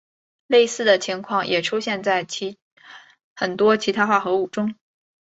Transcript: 类似的情况也出现在很多其他化合物中。